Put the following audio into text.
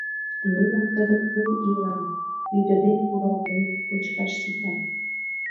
Нунын кызыт кум ийлан, ӱдыде-куралде, кочкаш сита.